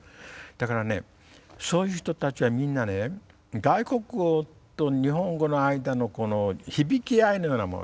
だからねそういう人たちはみんなね外国語と日本語の間のこの響き合いのようなものでね。